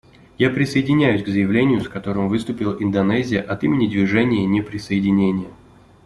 Я присоединяюсь к заявлению, с которым выступила Индонезия от имени Движения неприсоединения.